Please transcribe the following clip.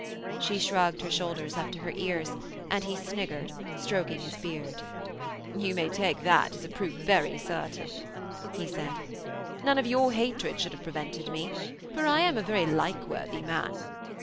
She shrugged her shoulders up to her ears, and he sniggered, stroking his beard. 'You may take that as a proof very certain,' he said. 'None of your hatred should have prevented me, for I am a very likeworthy man.